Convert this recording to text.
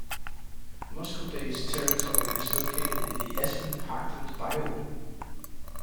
Muskoday's territory is located in the aspen parkland biome.